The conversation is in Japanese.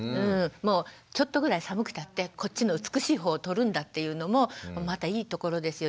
ちょっとぐらい寒くたってこっちの美しい方取るんだっていうのもまたいいところですよ。